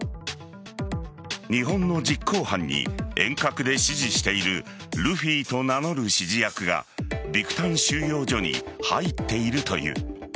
日本の実行犯に遠隔で指示しているルフィと名乗る指示役がビクタン収容所に入っているという。